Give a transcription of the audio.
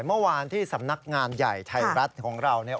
เมื่อวานที่สำนักงานใหญ่ไทยรัฐของเราเนี่ย